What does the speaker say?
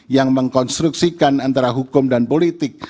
yang mengkonstruksikan antara hukum dan politik